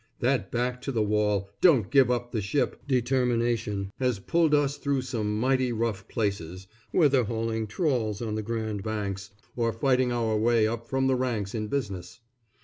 That back to the wall, "Don't give up the ship," determination has pulled us through some mighty rough places, whether hauling trawls on the Grand Banks, or fighting our way up from the ranks in business.